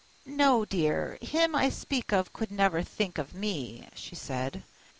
"No, dear, him I speak of could never think of me," she said.